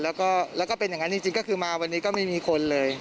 แล้วก็เป็นอย่างนั้นจริงก็คือมาวันนี้ก็ไม่มีคนเลย